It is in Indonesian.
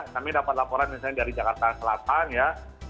kami dapat laporan misalnya dari jakarta selatan ya